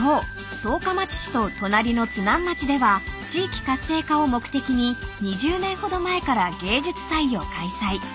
十日町市と隣の津南町では地域活性化を目的に２０年ほど前から芸術祭を開催］